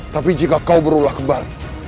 tapi jika kau berulah kembali